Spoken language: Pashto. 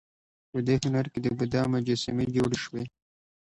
په دې هنر کې د بودا مجسمې جوړې شوې